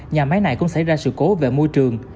nhà máy này cũng xảy ra sự cố về môi trường